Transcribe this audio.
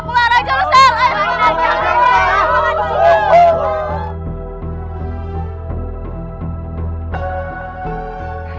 pulang aja lu shal